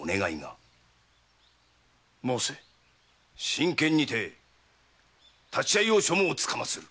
真剣にて立ち合いを所望つかまつる。